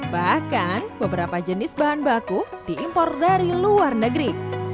bahkan beberapa jenis bahan baku diimpor dari luar negeri